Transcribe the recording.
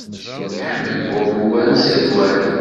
Iḥemmel Bob ugar n Saɛid Waɛli.